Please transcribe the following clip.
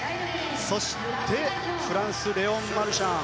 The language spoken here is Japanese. そしてフランスレオン・マルシャン。